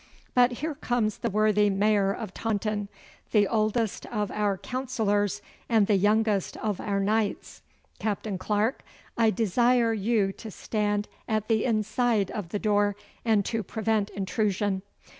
But here comes the worthy Mayor of Taunton, the oldest of our councillors and the youngest of our knights. Captain Clarke, I desire you to stand at the inside of the door and to prevent intrusion.